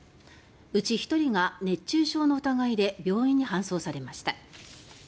うち１人が熱中症の疑いで病院に搬送されました。